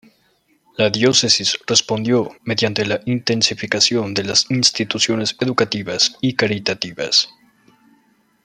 La diócesis respondió mediante la intensificación de las instituciones educativas y caritativas.